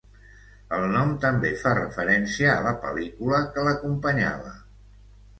El nom també fa referència a la pel·lícula que l'acompanyava.